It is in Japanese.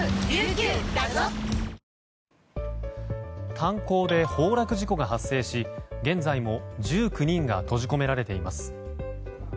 炭鉱で崩落事故が発生し現在も１９人が閉じ込められています。